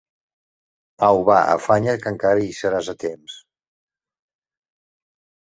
Au va, afanya't, que encara hi seràs a temps!